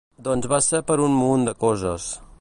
Doncs va ser per un munt de coses.